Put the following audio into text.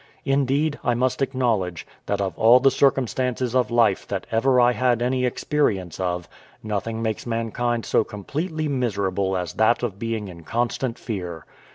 Indeed, I must acknowledge, that of all the circumstances of life that ever I had any experience of, nothing makes mankind so completely miserable as that of being in constant fear.